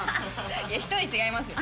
いや１人違いますよ。